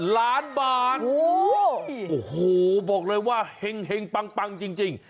ล้านบาทโอ้โหบอกเลยว่าเห็งปังจริง